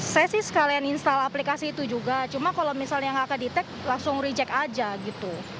saya sih sekalian install aplikasi itu juga cuma kalau misalnya nggak ke detect langsung reject aja gitu